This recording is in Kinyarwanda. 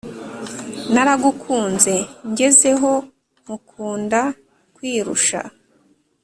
Naragukunze ngezeho nkukunda kwirusha